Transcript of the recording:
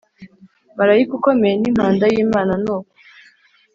marayika ukomeye n impanda y Imana nuko